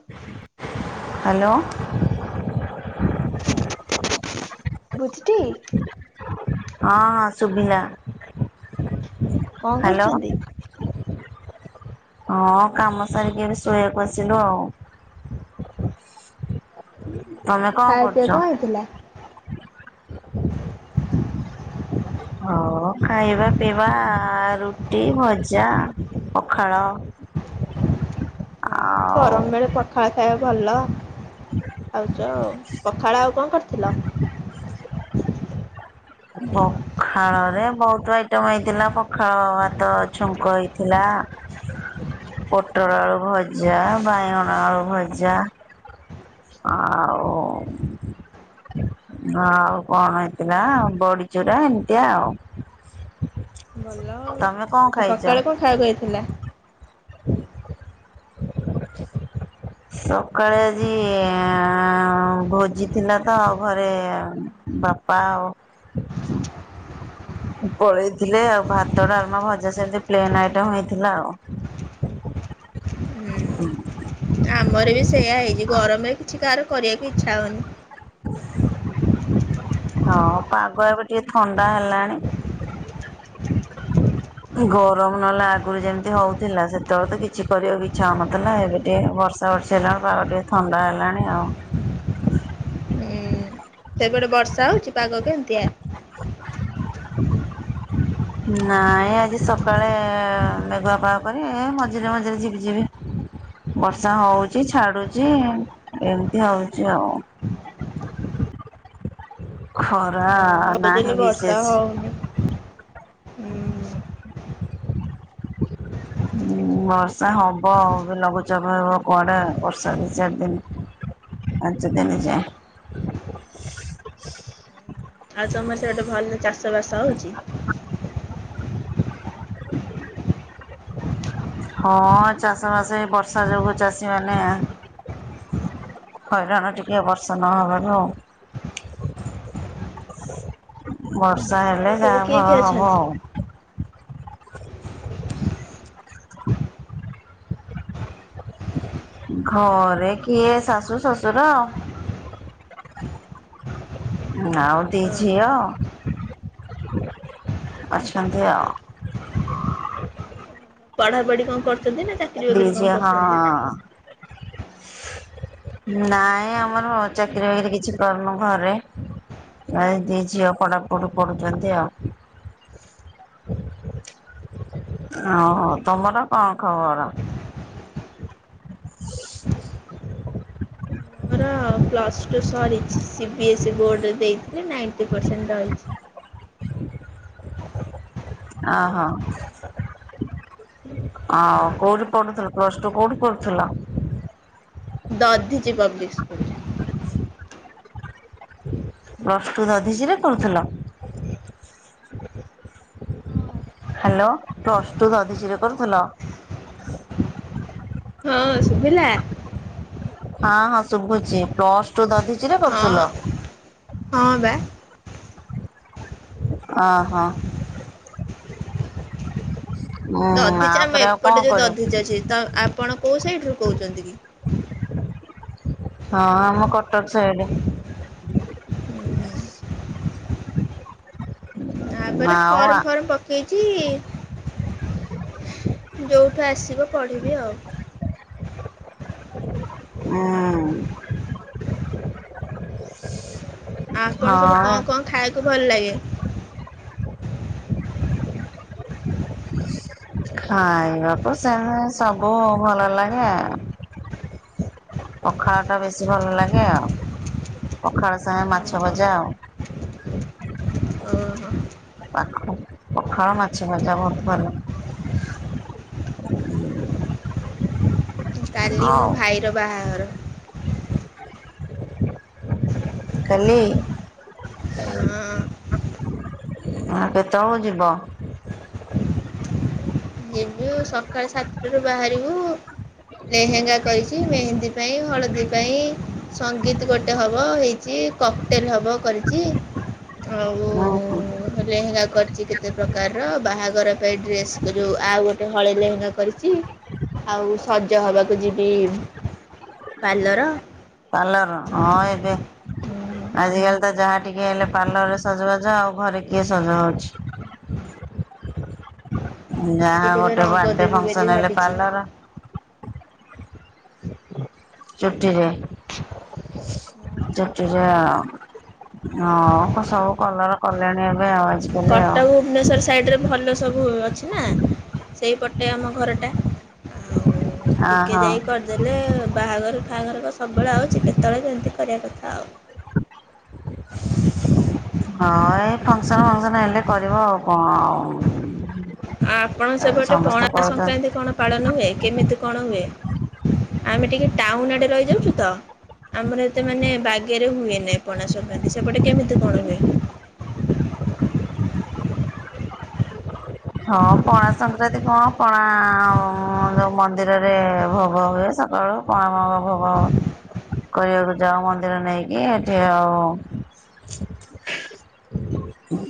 Hello ଶୁଭୁଛି ଟି? ହଁ ଶୁଭିଲା କଣ ହ୍ୟାଲୋ। କରୁଛନ୍ତି? ହଁ କାମ ସାରିକି ଏବେ ଶୋଇବାକୁ ଆସିଲୁ ଆଉ। ଓହୋ ଆଜି ତମେ କଣ ଖାଇବା କରୁଛ? ପିଇବା କଣ ହେଇଥିଲା? ହଁ ଖାଇବା ପିଇବା ରୁଟି, ଭଜା, ପଖାଳ। ହଁ ଆଉ ଗରମ ବେଳେ ପଖାଳ ଖାଇବା ଭଲ। ଖାଉଛ ଆଉ, ପଖାଳ ଆଉ କଣ କରିଥିଲ? ପଖାଳରେ ବହୁତ ଆଇଟମ୍ ହେଇଥିଲା, ପଖାଳ ଭାତ ଛୁଙ୍କ ହେଇଥିଲା। ପଟଳ ଆଳୁ ଭଜା, ବାଇଗଣ ଆଳୁ ଭଜା। ଆଉ ଆଉ କଣ ହେଇଥିଲା ବଡି ଚୁରା ଏମିତିଆ ଆଉ। ଭଲ ଆଉ ତମେ କଣ ଆଉ ଖାଇଛ? ସକାଳେ କଣ ଖାଇବାକୁ ହେଇଥିଲା? [inaudible] ସକାଳେ ଆଜି ଏ ଆଁ ଭୋଜି ଥିଲା ତ ଆଉ ଘରେ ଏ ବାପା ପାଓ ପଳେଇଥିଲେ ଆଉ ଭାତ, ଡାଲମା, ଭଜା ସେମିତି ପ୍ଲେନ୍ ଆଇଟମ ହେଇଥିଲା ଆଉ। ହୁଁ ଆମର ବି ସେଇୟା ହେଇଛି ଗରମରେ କିଛି କାହାର କରିବାକୁ ଇଚ୍ଛା ହଉନି। [inaudible] ହଁ ପାଗ ଏବେ ଟିକେ ଥଣ୍ଡା ହେଲାଣି। [inaudible] ଗରମ ନହେଲା ଆଗରୁ ଯେମିତି ହଉଥିଲା ସେତେବେଳେ ତ କିଛି କରିବାକୁ ଇଛ ହଉନଥିଲା, ଏବେ ଟିକେ ବର୍ଷା ବର୍ଷା [unintelligible] ପାଗ ଟିକେ ଥଣ୍ଡା ହେଲାଣି ଆଉ। ହୁଁ ସେପଟେ ବର୍ଷା ହଉଛି ପାଗ କେମିତିଆ? [inaudible] ନାଇଁ ଆଜି ସକାଳେ ଏ ମେଘୁଆ ପାଗ କରି ମଝିରେ ମଝିରେ ଯିପି, ଯିପି ବର୍ଷା ହଉଚି ଛାଡୁଛି ଏମିତି ହଉଛି ଆଉ। ଖରା ହେଲେ ନାହିଁ ବର୍ଷା ବିଶେଷ। ହଉନି। ହୁଁ ଉଁ ବର୍ଷା ହବ ଆଉ ବି ଲଘୁଚାପ ହେବ କୁଆଡ଼େ ବର୍ଷା ଦୁଇ ଚାରି ଦିନ? ପାଞ୍ଚଦିନ ଯାଏ। ଆଉ ତମ ସ୍ୟଡେ ଭଲ ଚାଷବାସ ହେଉଛି? ହଁ ଚାଷବାସ ଏଇ ବର୍ଷା ଯୋଗୁଁ ଚାଷୀମାନେ ହଇରାଣ ଟିକେ ବର୍ଷା ନ ହେବାରୁ। ଆଉ ବର୍ଷା ଘରେ ହେଲେ ସବୁ ଯାହା କିଏ କିଏ ଭଲ ହବ ଅଛନ୍ତି? ଆଉ। ଘରେ କିଏ ଶାଶୁ ଶଶୁର? ଆଉ ଦି ଝିଅ। ଅଛନ୍ତି ଆଉ। ପଢାପଢି କଣ କରୁଛନ୍ତି ନା ଚାକିରୀ ଦି ବାକିରି କଣ ଝିଅ କରୁଛନ୍ତି? ହଁ ନାଇଁ ଆମର ଚାକିରି ବାକିରି କିଛି କରନୁ ଘରେ। ଏଇ ଦି ଝିଅ ପଢ଼ା ପଢ଼ି କରୁଛନ୍ତି ଆଉ। ଓହୋ ତମର କଣ ଖବର? ହଁ ପ୍ଲସ୍ ଟୁ ସରିଚି ସିବି ଏସ୍ଇ ବୋର୍ଡ଼ରେ ଦେଇଥିଲି ନାଇଣ୍ଟି ପରସେଣ୍ଟ ରହିଛି। ଆ ହଁ। ଆଉ କୋଉଠି ପଢୁଥିଲ ପ୍ଲସ ଟୁ କୋଉଠି ପଢୁଥିଲ? Dadhichi public school. Plus two Dadhichi ରେ କରୁଥିଲ? ହାଲୋ ପ୍ଲସ ଟୁ ଦଧିଚରେ କରୁଥିଲ? ହଁ ସୁଭିଲା? ହଁ ହଁ ଶୁଭୁଚି, ପ୍ଲସ ଟୁ ଦଧି ହଁ ହଁ ବା। ଅ ହଁ। ଉଁ ଦଧିଚି ଆମ ଆପରେ ଆଉ ଏପଟେ କଣ ଯୋଉ କରିବ? ଦଧିଚି ଅଛି ତ ଆପଣ କୋଉ ସାଇଡରୁ କହୁଚନ୍ତି କି? ହଁ ଆମ କଟକ ସାଇଡ୍। ଆପରେ ଆଉ ଫର୍ମ ଆ ଫର୍ମ ପ କେଇଚି ଯୋଉଠୁ ଆସିବ ପଢିବି ଆଉ। ଆଁ। ଆପଣ ସବୁ ହଁ କଁ କଁ ଖାଇଆକୁ ଭଲ ଲାଗେ? ଖାଇବାକୁ ସେମ ସବୁ ଭଲ ଲାଗେ ଆଉ। ହ। ପଖାଳଟା ବେଶୀ ଭଲ ଲାଗେ ଆଉ। ପଖାଳ ସାଙ୍ଗେ ମାଛଭଜା ଆଉ। ଓ ହୋ। ପାଖ ପଖାଳ ମାଛ ଭଜା ବହୁତ୍ ଭଲ। କାଲି ମୋ ହଉ ଭାଇର ବାହାଘର। କାଲି? ହଁ ଆ କେତେବେଳୁ ଯିବ? ଯିବୁ ସକାଳ ସାତଟାରୁ ବାହାରିବୁ ଲେହେଙ୍ଗା କରିଚି ମେହେନ୍ଦୀ ପାଇଁ ହଳଦୀ ପାଇଁ ସଙ୍ଗୀତ୍ ଗୋଟେ ହବ ହେଇଚି।। କକଟେଲ ହବ କରିଚି ଆଉ ଅଁ ହଁ। ଓହୋ ଲେହେଙ୍ଗା କରିଚି କେତେ ପ୍ରକାରର ବାହାଘର ପାଇଁ ଡ୍ରେସ ଯୋଉ ଆଉ ଗୋଟେ ଗୋଟେ ହଳେ ଲେହେଙ୍ଗା କରିଚି। ଆଉ ସଜ ହବାକୁ ଯିବି ପାର୍ଲର। ପାର୍ଲର ର ହଁ ଏବେ ଆଜିକାଲି ତ ଯାହା ଟିକେ ହେଲେ ପାର୍ଲର ରେ ସଜବାଜ ଆଉ ଘରେ କିଏ ସଜ ହଉଛି। ଟିକେ ଯାହା ଟିକେ ଗୋଟେ ରଙ୍ଗ ବାଡେ ଦେବି ଫଙ୍କସନ୍ ବୋଲି ହେଲେ ଭାବିଛି ପାର୍ଲର। ଚୁଟିରେ ଚୁଟିରେ ଆ ହଁ କ-ସବୁ କଲର କଲେଣି ଏବେ ଆଉ। ଆଜିକାଲି ଆଉ କଟକ ଭୁବନେଶର ସାଇଡ୍ ରେ ଭଲ ସବୁ ଅଛି ନା ସେଇପଟେ ଆମ ଘରଟା। ଆଉ ଆ ହଁ ଟିକେଯାଇ କରିଦ ଦେଲେ ବାହାଘର ଫାହାଘର କଁ ସବୁବେଳେ ଆଉଚି କେତେବେଳେ କେମିତି କରିବା କଥାଆଉ। ହଁ ଏଇ ଫଙ୍କସନ ଫଙ୍କସନ ହେଲେ କରିବ ଆଉ କଣ ଆଉ। ଆଁ ଆପଣ ସେପଟେ ସମସ୍ତେ କରୁଛନ୍ତି ପଣା-ସଂକ୍ରାନ୍ତି କଣ ପାଳନ ହୁଏ କେମିତି କଣ ହୁଏ? ଆମେ ଟିକେ ଟାଉନ ଆଡେ ରହିଯାଉଚୁ ତ। ଆମର ଏତେ ମାନେ ବାଗେରେ ହୁଏ ନାଇଁ ପଣାସଂକ୍ରାନ୍ତି ସେପଟେ କେମିତି କଣ ହୁଏ? ହଁ ପଣା ସଂକ୍ରାନ୍ତି କଣ ପଣା ଆଉ ହଁ ଯୋଉ ମନ୍ଦିରରେ ଭୋଗ ହୁଏ ସକାଳୁ [inaudible] ଭୋଗ ହ କରିବାକୁ ଯାଉ ମନ୍ଦିର ନେଇକି ଏଠି ଆଉ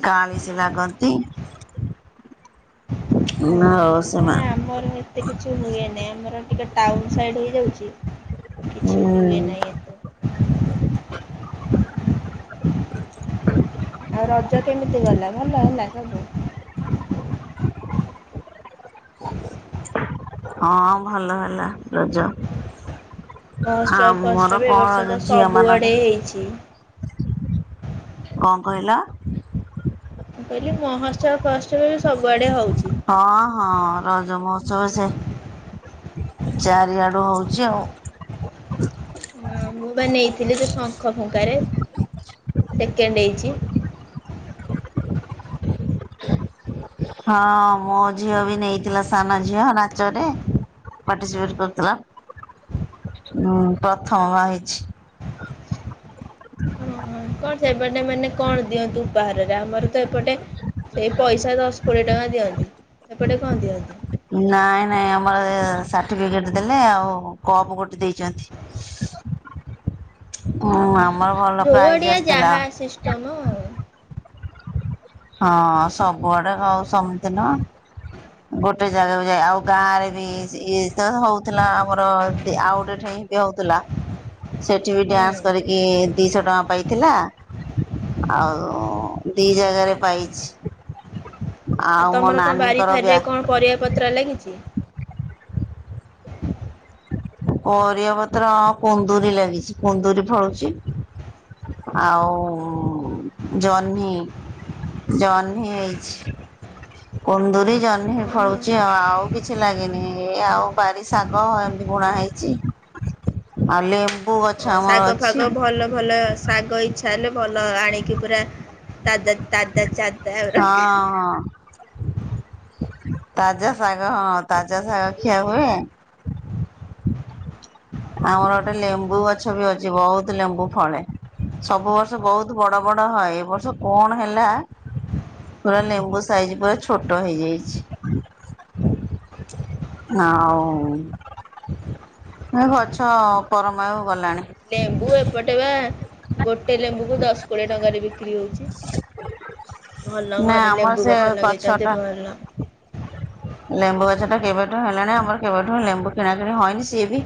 କାଳିଶି ଲାଗନ୍ତି। ନା ହଉ ସେମା ଆଉ ଏତେ କିଛି ହୁଏନି ଆମର ଟିକେ ଟାଉନ୍ ସାଇଡ୍ ହେଇଯାଉଚି। ହୁଁ କିଛି ହୁଏ ନାଇଁ ଏତେ। ଆଉ ରଜ କେମିତି ଗଲା ଭଲ ହେଲା ସବୁ। ହଁ ଭଲ ହେଲା ରଜ। ମହୋତ୍ସବ ଆମର କଣ ଝିଅମାନଙ୍କ ଏଇଛି କଁ କହିଲା? ମୁଁ କହିଲି ମହୋତ୍ସବ ଫହୋତ୍ସବ ବି ସବୁଆଡେ ହଉଚି। ହଁ ହଁ ରଜ ମହୋତ୍ସବ ସେ ଚାରିଆଡୁ ହଉଚି ଆଉ। ହଁ ମୁଁ ବା ନେଇଥିଲି ଯୋଉ ଶଙ୍ଖ ଫୁଙ୍କାରେ ସେକେଣ୍ଡ ହେଇଚି। ହଁ ମୋ ଝିଅ ବି ନେଇଥିଲା ସାନ ଝିଅ ନାଚରେ ପାର୍ଟିସିପେଟ କରିଥିଲା ଉଁ ପ୍ରଥମ ବା ହେଇଛି। ହଁ କଣ ସେପଟେ ମାନେ କଣ ଦିଅନ୍ତି ଉପହାରରେ ଆମର ତ ଏପଟେ ସେଇ ପଇସା ଦଶ କୋଡିଏ ଟଙ୍କା ଦିଅନ୍ତି ଏପଟେ କଁ ଦିଅନ୍ତି। ନାଇଁ ନାଇଁ ଆମର ଏ ସାର୍ଟିଫିକେଟ ଦେଲେ ଆଉ କପ ଗୋଟେ ଦେଇଚନ୍ତି। ! ! ! ! ! ! ହଁ ହାଲୋ ଆମର ଭଲ ଯୋଉ ପ୍ରାଇଜ ଆଡିଆ ଆସିଥିଲା। ଯାହା ସିଷ୍ଟମ ଆଉ। ହଁ ସବୁଆଡେ ଆଉ ସେମତି ନୁହଁ। ଗୋଟେ ଜାଗାକୁ ଯାଏ ଆଉ ଗାଁରେ ବି ଯି ଇଏ ଯେତବେଳେ ହଉଥିଲା ଆମର ଏଠି ଆଉ ଗୋଟେ ଠେଇଁ ତି ହଉତୁଲା। ! ! ! ସେଠି ବି ଡ୍ୟାନ୍ସ କରିକି ଦିଶ ଟଙ୍କା ପାଇଥିଲା ଆଉ ଉଁ ଦି ଜାଗାରେ ପାଇଛି ଆଉ ମୋ ନାନୀଙ୍କର ବ୍ୟା ପରିବାପତ୍ର ଲାଗିଛି। ପରିବା ପତ୍ର କୁନ୍ଦୁରି ଲାଗିଚି କୁନ୍ଦୁରି ଫଳୁଚି। ଆଉ ଉଁ ଜହ୍ନି ଜହ୍ନି ହେଇଛି। କୁନ୍ଦୁରି ଜହ୍ନି ଫଳୁଚି ଆଉ ଆଉ କିଛି ଲାଗିନି ଏ ଆଉ ପାରିଶାଗ ଏମତି ବୁଣା ହେଇଚି ଆଲି ଓ ଶାଗ ଫାଗ ଭଲ ଭଲ ଶାଗ ଇଚ୍ଛା ହେଲେ ଭଲ ଆଣିକି ପୁରା ତାଜା ତାଦା ଚା ହଁ ହଁ। ତାଜା ଶାଗ ହଁ ତାଜା ଶାଗ ଖିଆ ହୁଏ। ଆମର ଗୋଟେ ଲେମ୍ବୁ ଗଛ ବି ଅଛି ବୋହୁତୁ ଲେମ୍ବୁ ଫଳେ। ସବୁ ବର୍ଷ ବୋହୁତୁ ବଡ ବଡ ହଏ ଏ ବର୍ଷ କଣ ହେଲା ପୁରା ଲେମ୍ବୁ ସାଇଜି ପୁରା ଛୋଟ ହେଇଯାଇଛି। ଆଉଁ ଏ ଗଛ ପରମାୟୁ ଗଲାଣି। ଲେମ୍ବୁ ଏପଟେ ବା ଗୋଟେ ଲେମ୍ବୁକୁ ଦଶ କୋଡିଏ ଟଙ୍କାରେ ବିକ୍ରି ହଉଚି ଭଲ ନା ଘରେ ଆମର ଲେମ୍ବୁ ସେ ଗଛ ଲଗେଇଚନ୍ତି ଟା ଭଲ। ଲେମ୍ବୁ ଗଛଟା କେବେଠୁଁ ହେଲାଣି ଆମର କେବେଠୁଁ ଲେମ୍ବୁ କିଣାକିିଣି ହଏନି ସିଏ ବି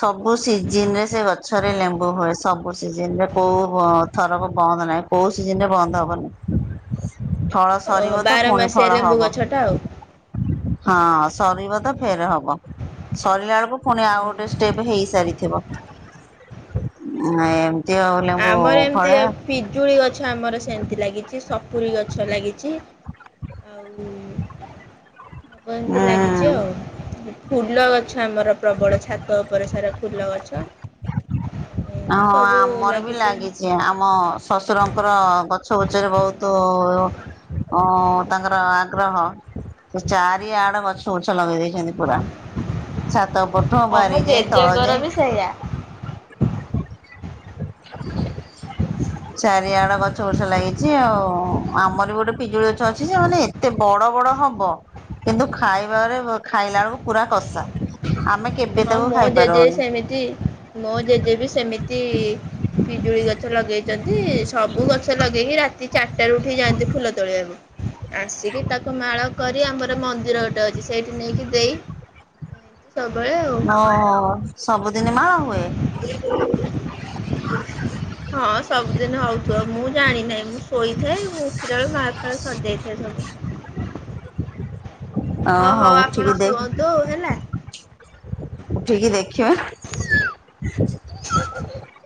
ସବୁ ସିଜିନରେ ସେ ଗଛରେ ଲେମ୍ବୁ ହୁଏ ସବୁ ସିଜିନରେ କୋଉ ବଁ ଥରକ ବନ୍ଦ ନାହିଁ। କୋଉ ସିଜିନରେ ବନ୍ଦ ହବନି ଫଳ ଓହୋ ସରିବ ତ ବାର ଫୁଣି ମାସିଆ ଫଳ ଲେମ୍ବୁ ହବ। ଗଛଟା ଆଉ। ହଁ ସରିବ ତ ଫେରେ ହବ। ସରିଲାଳୁକୁ ଫୁଣି ଆଉ ଗୋଟେ ଷ୍ଟେପେ ହେଇସାରିଥିବ ଉଁ ଏମ୍ ଆମର ଏମିତି ପିଜୁଳି ଗଛ ଆମର ସେମିତି ଲାଗିଛି ସପୁରୀ ଗଛ ଲାଗିଛି ଆଉ ସବୁ ଏମିତି ଲାଗିଛି ହୁଁ ଆଉ ଫୁଲ ଗଛ ଆମର ପ୍ରବଳ ଛାତ ଉପରେ ସାରା ଫୁଲ ଗଛ। ହଁ ଏମିତି ସବୁ ଆମର ବି ଲାଗିଛି ଆମ ଶଶୁରଙ୍କର ଗଛ ବଛରେ ବହୁତ ଉଁ ତାଙ୍କର ଆଗ୍ରହ। ସେ ଚାରିଆଡ ଗଛ ବୁଛ ଲଗେଇ ଦେଇେଇଛନ୍ତି ପୁରା ଛାତ ଉପ ହଁ ମୋ ବାରିଯାଏ ତଳ ଜେଜେଙ୍କର ବି ଯାଏ ସେଇଆ [unintelligible] [unintelligible] ଚାରିଆଡେ ଗଛ ଫଛ ଲାଗିଛି ଆଉ ଆମର ବି ଗୋଟେ ପିଜୁଳି ଗଛ ଅଛି ଯେ ମାନେ ଏ ଏତେ ବଡ ବଡ ହବ କିନ୍ତୁ ଖାଇବାରେ ଖାଇଲା ବେଳକୁ ପୁରା କଷା ଆମେ କେବେ ହଁ ତାକୁ ମୋ ଜେଜେ ବି ଖାଇପାରୁନି ସେମିତି ମୋ ଜେଜେ ବି ସେମିତି ପିଜୁଳି ଗଛ ଲଗେଇଛନ୍ତି ସବୁ ଗଛ ଲଗେଇକି ରାତି ଚାରିଟାରୁ ଉଠିକି ଯାଆନ୍ତି ଫୁଲ ତୋଳିବାକୁ। ଆସିକି ତାକୁ ମାଳ କରି ଆମର ର ମନ୍ଦିର ଗୋଟେ ଅଛି ସେଇଠି ନେଇକି ଦେଇ ଏମତି ସବୁବେଳେ ଆଉ ଓହୋ! ସବୁଦିନ ମାଳ ହୁଏ? ହଁ ସବୁଦିନ ହଉଥିବ ମୁଁ ଜାଣିିନହିଁ ମୁଁ ଶୋଇଥାଏ ମୁଁ ଉଠିଲା ବେଳେ ମାଳ ଫାଳ ସରିଯାଇଥାଏ ସବୁ। ଓହୋ ଆପଣ ଶୁଅନ୍ତୁ ହେଲା। ଉଠିକି ଦେଖିବା। [unintelligible]